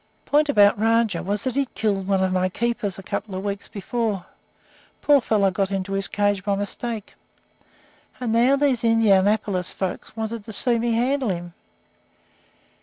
"Point about Rajah was that he'd killed one of my keepers a couple of weeks before. Poor fellow got in his cage by mistake. And now these Indianapolis folks wanted to see me handle him.